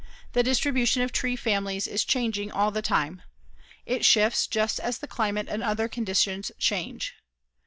The distribution of tree families is changing all the time. It shifts just as the climate and other conditions change.